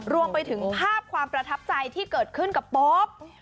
รวมไปถึงภาพความประทับใจที่เกิดขึ้นกับโป๊ป